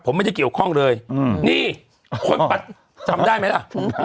ผมไม่ได้เกี่ยวข้องเลยนี่คนปัดจำได้ไหมล่ะ